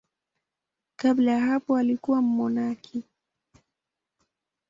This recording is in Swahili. Kabla ya hapo alikuwa mmonaki.